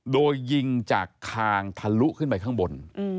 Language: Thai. โดยยิงจากคางทะลุขึ้นไปข้างบน